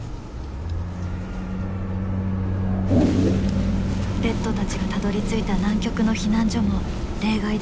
レッドたちがたどりついた南極の避難所も例外ではなかった。